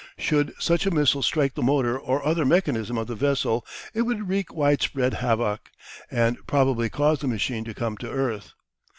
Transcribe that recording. Should such a missile strike the motor or other mechanism of the vessel it would wreak widespread havoc, and probably cause the machine to come to earth.